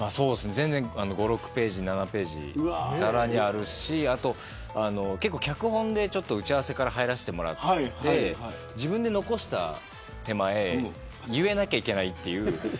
５、６ページ７ページ普通にあるし結構、脚本で打ち合わせから入らせてもらっていて自分で残した手前言えなきゃいけないという。